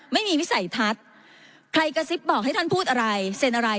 วิสัยทัศน์ใครกระซิบบอกให้ท่านพูดอะไรเซ็นอะไร